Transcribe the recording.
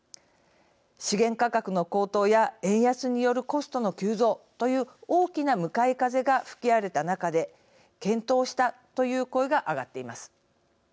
資源価格の高騰や円安によるコストの急増という大きな向かい風が吹き荒れた中で健闘したという声が上がっています。